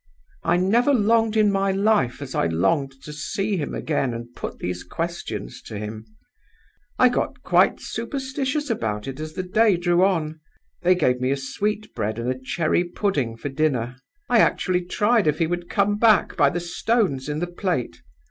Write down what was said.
"I never longed in my life as I longed to see him again and put these questions to him. I got quite superstitious about it as the day drew on. They gave me a sweet bread and a cherry pudding for dinner. I actually tried if he would come back by the stones in the plate!